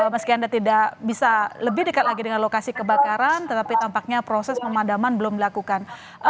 meski anda tidak bisa lebih dekat lagi dengan lokasi kebakaran tetapi tampaknya proses pemadaman belum dilakukan